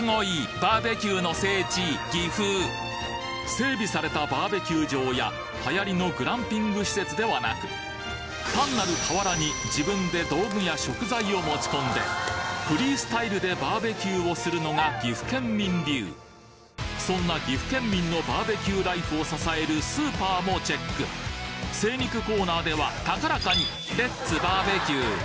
整備されたバーベキュー場や流行りのグランピング施設ではなく単なる河原に自分で道具や食材を持ち込んでフリースタイルでバーベキューをするのが岐阜県民流そんな岐阜県民のバーベキューライフを支えるスーパーもチェック精肉コーナーでは高らかに「Ｌｅｔ’ｓ！バーベキュー」